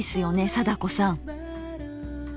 貞子さん。